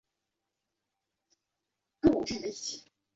其侄儿巴龙列谢八世被立越南人为新的柬埔寨国王。